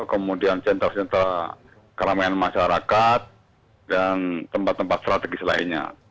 kemudian sentra sentra keramaian masyarakat dan tempat tempat strategis lainnya